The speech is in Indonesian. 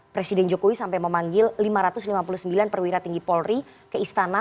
presiden jokowi sampai memanggil lima ratus lima puluh sembilan perwira tinggi polri ke istana